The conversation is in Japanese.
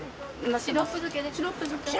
・シロップ漬けです。